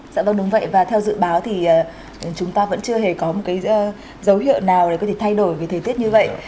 dạ vâng đúng vậy và theo dự báo thì chúng ta vẫn chưa hề có một cái dấu hiệu nào để có thể thay đổi về thời tiết như vậy